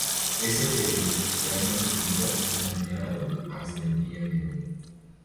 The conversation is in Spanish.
Ese derecho se ha mantenido inalterado hasta el día de hoy.